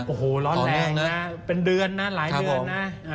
โอ้โหร้อนแรงนะเป็นเดือนนะหลายเดือนนะ